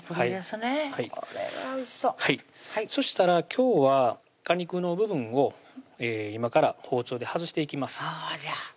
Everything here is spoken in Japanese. これはおいしそうそしたら今日は果肉の部分を今から包丁で外していきます